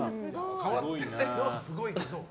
変わってないのはすごいけど。